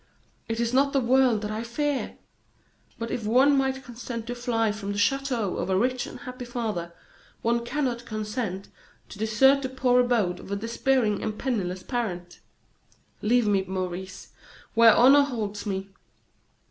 It is not the world that I fear! But if one might consent to fly from the chateau of a rich and happy father, one cannot consent to desert the poor abode of a despairing and penniless parent. Leave me, Maurice, where honor holds me.